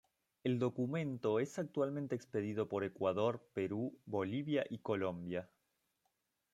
El documento es actualmente expedido por Ecuador, Perú, Bolivia y Colombia.